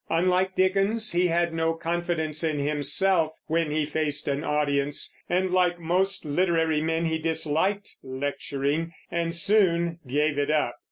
Unlike Dickens, he had no confidence in himself when he faced an audience, and like most literary men he disliked lecturing, and soon gave it up.